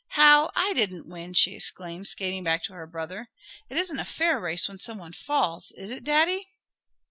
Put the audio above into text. "Hal, I didn't win!" she exclaimed, skating back to her brother, "It isn't a fair race when some one falls; is it Daddy?"